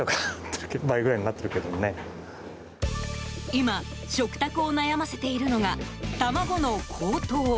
今、食卓を悩ませているのが卵の高騰。